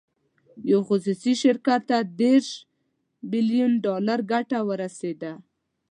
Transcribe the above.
یو خصوصي شرکت ته دېرش بیلین ډالر ګټه ورسېده.